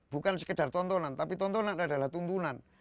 bukan sekedar tontonan tapi tontonan adalah tuntunan